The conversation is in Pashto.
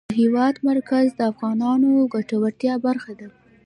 د هېواد مرکز د افغانانو د ګټورتیا برخه ده.